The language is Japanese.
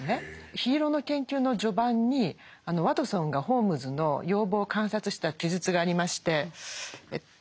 「緋色の研究」の序盤にワトソンがホームズの容貌を観察した記述がありましてえっと